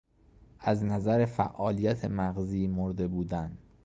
از نظر فعالیت مغزی مرده بودن